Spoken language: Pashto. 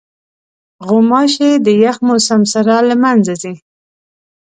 غوماشې د یخ موسم سره له منځه ځي.